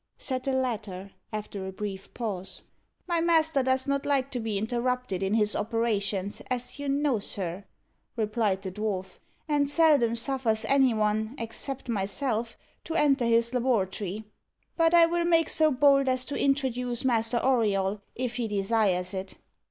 said the latter, after a brief pause. "My master does not like to be interrupted in his operations, as you know, sir," replied the dwarf, "and seldom suffers any one, except myself, to enter his laboratory; but I will make so bold as to introduce Master Auriol, if he desires it."